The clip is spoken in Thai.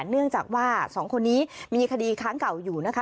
เนื่องจากว่าสองคนนี้มีคดีค้างเก่าอยู่นะคะ